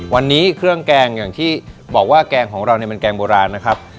วันนี้เครื่องแกงอย่างที่บอกว่าแกงของเราเนี่ยมันแกงโบราณนะครับ